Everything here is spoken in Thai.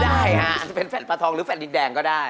ได้เป็นแฟดปลาทองหรือแฟดดินแดงก็ได้